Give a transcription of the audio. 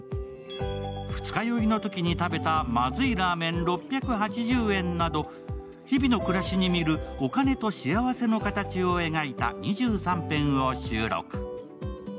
二日酔いのときに食べたまずいラーメン６８０円など、日々の暮らしに見る、お金と幸せの形を描いた２３編を収録。